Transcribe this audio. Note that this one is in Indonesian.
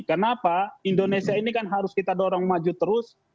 kenapa indonesia ini kan harus kita dorong maju terus